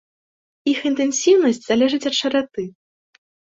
Іх інтэнсіўнасць залежыць ад шыраты.